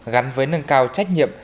gắn với nâng cao trách nhiệm